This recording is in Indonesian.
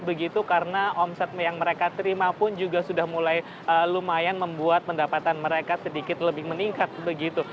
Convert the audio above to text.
begitu karena omset yang mereka terima pun juga sudah mulai lumayan membuat pendapatan mereka sedikit lebih meningkat begitu